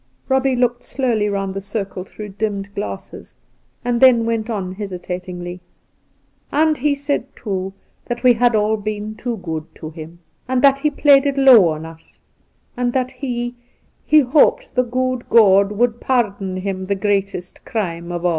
Eobbie looked slowly round the circle through dimmed glasses, and thgn went on hesitatingly :' And he said, too, that we had all been too good to him, and that he had played it low on us ; and that he — he hoped the good God would pardon him the greatest crime of aU.